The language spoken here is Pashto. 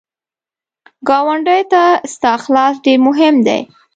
ګاونډي ته ستا اخلاص ډېر مهم دی